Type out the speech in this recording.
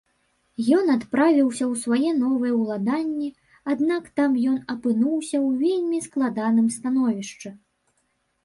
Ён адправіўся ў свае новыя ўладанні, аднак там ён апынуўся ў вельмі складаным становішчы.